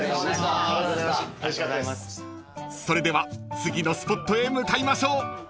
［それでは次のスポットへ向かいましょう］